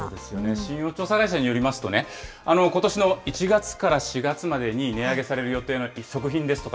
信用調査会社によりますとね、ことしの１月から４月までに値上げされる予定の食品ですとか